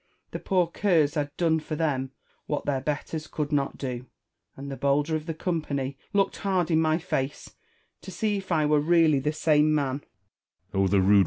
The poor curs had done for them what their betters could not do j and the bolder of the company looked hard in my face, to see if I were really the same man.